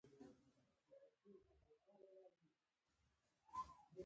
جبل النور ته تر راتګ دمخه.